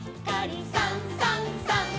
「さんさんさん」